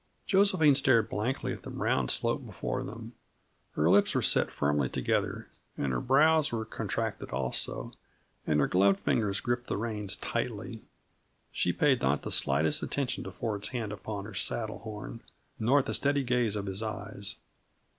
Josephine stared blankly at the brown slope before them. Her lips were set firmly together, and her brows were contracted also, and her gloved fingers gripped the reins tightly. She paid not the slightest attention to Ford's hand upon her saddle horn, nor at the steady gaze of his eyes.